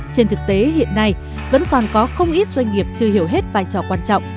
trên thực tế hiện nay vẫn còn có không ít doanh nghiệp chưa hiểu hết vai trò quan trọng